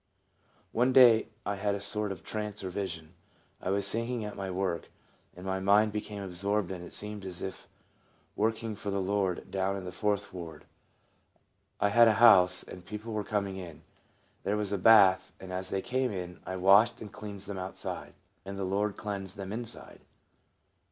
One day I had a sort of trance or vision. I was singing at my work, and my mind be came absorbed, and it seemed as if I was work ing for the Lord down in the Fourth ward. I had a house, and people were coming in. There was a bath, and as they came in I washed and cleansed them outside, and the Lord cleansed them inside.